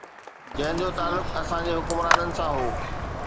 جنهن جو تعلق اسان جي حڪمرانن سان هو